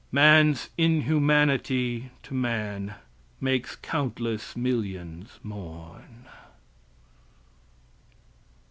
"Man's inhumanity to man Makes countless millions mourn."